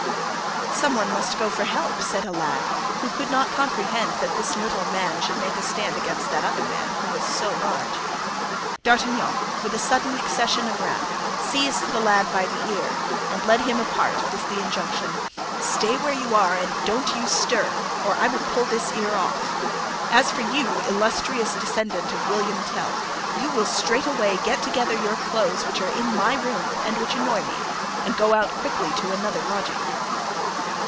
"Some one must go for help," said a lad, who could not comprehend that this little man should make a stand against that other man, who was so large. D'Artagnan, with a sudden accession of wrath, seized the lad by the ear and led him apart, with the injunction: "Stay you where you are and don't you stir, or I will pull this ear off. As for you, illustrious descendant of William Tell, you will straightway get together your clothes which are in my room and which annoy me, and go out quickly to another lodging."